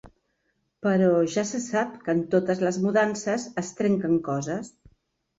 Però ja se sap que en totes els mudances es trenquen coses.